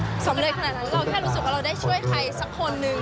สำเร็จขนาดนั้นเราแค่รู้สึกว่าเราได้ช่วยใครสักคนนึง